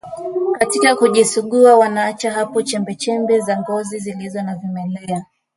katika kujisugua wanaacha hapo chembechembe za ngozi zilizo na vimelea